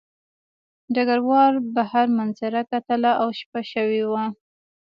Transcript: ډګروال بهر منظره کتله او شپه شوې وه